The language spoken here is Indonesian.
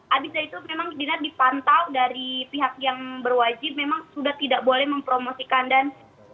abis itu memang dinar dipantau dari pihak yang berwajib memang sudah tidak boleh mempromosikan dan